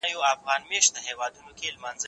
زه هره ورځ ليکلي پاڼي ترتيب کوم؟!